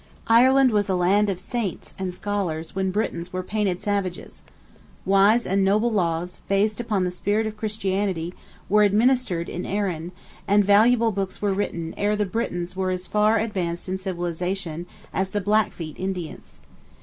Ireland was a land of saints and scholars when Britons were painted savages. Wise and noble laws, based upon the spirit of Christianity, were administered in Erin, and valuable books were written ere the Britons were as far advanced in civilization as the Blackfeet Indians.